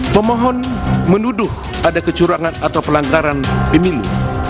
pemohon menuduh ada kecurangan atau pelanggaran pemilu